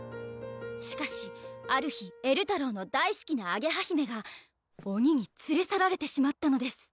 しかしある日えるたろうの大すきなあげは姫が鬼につれ去られてしまったのです！